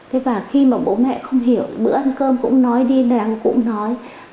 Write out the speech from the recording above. thế và khi mà bố mẹ không hiểu bữa ăn cơm cũng nói đi nàng cũng nói đi